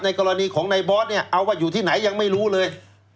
กรณีของในบอสเนี่ยเอาว่าอยู่ที่ไหนยังไม่รู้เลย